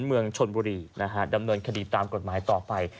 เมืองชนบุรีนะฮะดำเนินคดีตามกฎหมายต่อไป